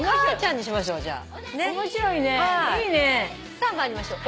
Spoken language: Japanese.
さあ参りましょう。